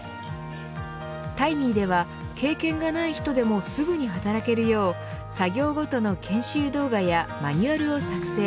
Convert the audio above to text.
タイミーでは経験がない人でもすぐに働けるよう作業ごとの研修動画やマニュアルを作成。